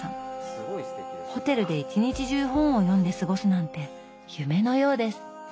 ホテルで一日中本を読んで過ごすなんて夢のようです。